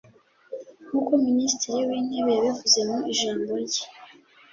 nk’uko Minisitiri w’Intebe yabivuze mu ijambo rye